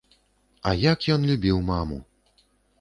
А як ён любіў маму!